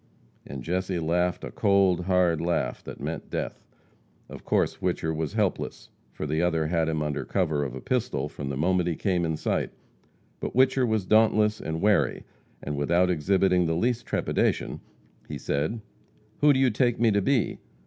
And Jesse laughed a cold, hard laugh that meant death. Of course Whicher was helpless, for the other had him under cover of a pistol from the moment he came in sight. But Whicher was dauntless and wary, and, without exhibiting the least trepidation, he said: "Who do you take me to be?